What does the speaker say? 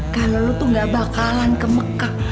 kalau lu tuh gak bakalan ke mekah